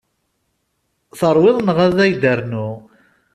Teṛwiḍ neɣ ad k-d-rnuɣ?